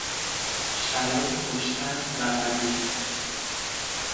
شراب خوشطعم و قوی